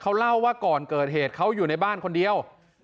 เขาเล่าว่าก่อนเกิดเหตุเขาอยู่ในบ้านคนเดียว